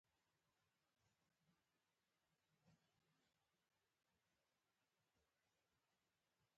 خوب یې له شرم څخه راځي.